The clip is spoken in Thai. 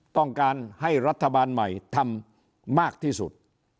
ต้องการให้รัฐบาลใหม่ทำมากที่สุด